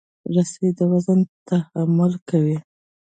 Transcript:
رسۍ د وزن تحمل کوي.